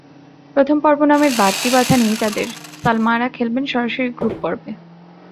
প্রথম পর্ব নামের বাড়তি বাধা নেই তাঁদের, সালমারা খেলবেন সরাসরি গ্রুপ পর্বে।